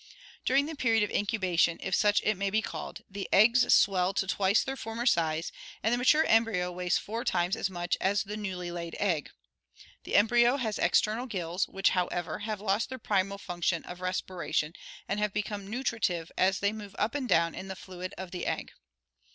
During the period of incubation, if such it may be called, the eggs swell to twice their former size, and the mature embryo weighs four times as much as the newly laid egg. The embryo has external gills, which, however, have lost their primal function of respiration and have become nutritive as they move up and down in the fluid of the egg.